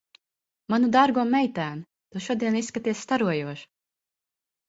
Manu dārgo meitēn, tu šodien izskaties starojoša.